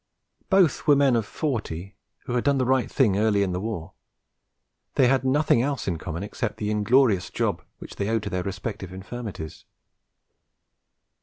Both were men of forty who had done the right thing early in the war; they had nothing else in common except the inglorious job which they owed to their respective infirmities.